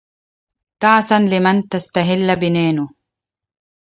تعسا لمن لا تستهل بنانه